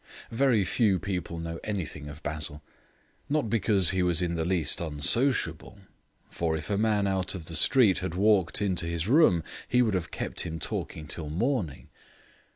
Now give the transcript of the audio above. Very few people knew anything of Basil; not because he was in the least unsociable, for if a man out of the street had walked into his rooms he would have kept him talking till morning.